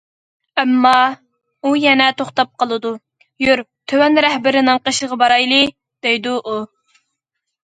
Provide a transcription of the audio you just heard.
ئەمما ئۇ يەنە توختاپ قالىدۇ،« يۈر، تۈەن رەھبىرىنىڭ قېشىغا بارايلى» دەيدۇ ئۇ.